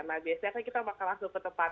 nah biasanya kan kita makan langsung ke tempatnya